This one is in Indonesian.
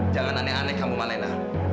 jangan aneh aneh kamu ma lena